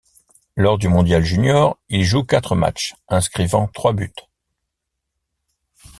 Lors du mondial junior, il joue quatre matchs, inscrivant trois buts.